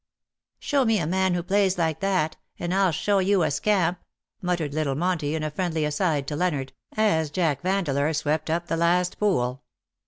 " Show me a man who plays like that, and 1^11 show you a scamp/^ muttered little Monty in a friendly aside to Leonard, as Jack Vandeleur swept up the last pool.